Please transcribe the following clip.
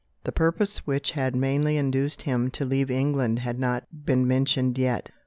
The purpose which had mainly induced him to leave England had not been mentioned yet.